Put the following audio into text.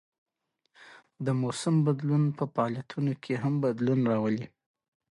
د موسم بدلون په فعالیتونو کې هم بدلون راولي